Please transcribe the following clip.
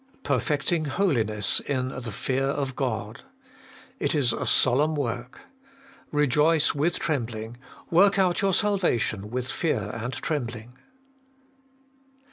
5. 'Perfecting holiness in the fear of God:' it is a solemn work. Rejoice with trembling work out your salvation with fear and trembling.